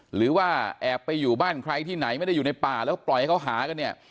หรือว่าแอบไปอยู่บ้านใครที่ไหนไม่ได้อยู่ในป่าแล้วปล่อยเขาหากันเนี่ย